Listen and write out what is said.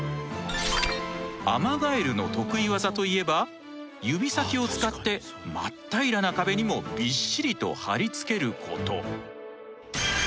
アマガエルの得意技といえば指先を使って真っ平らな壁にもビッシリと貼り付けること。